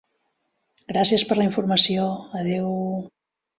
Gràcies per la informació. Adeu.